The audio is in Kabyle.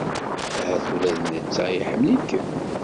Ahat ula d netta iḥemmel-ikem.